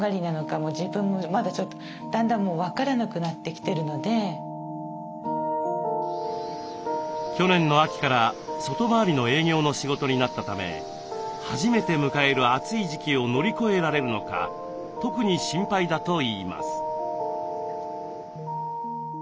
何人もの社員さんというか去年の秋から外回りの営業の仕事になったため初めて迎える暑い時期を乗り越えられるのか特に心配だといいます。